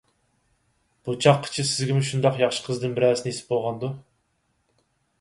بۇ چاغقىچە سىزگىمۇ شۇنداق ياخشى قىزدىن بىرەرسى نېسىپ بولغاندۇ؟